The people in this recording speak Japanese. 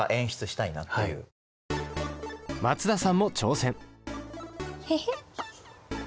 松田さんも挑戦。へへっ。